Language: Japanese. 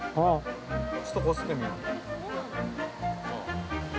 ちょっと、こすってみよう。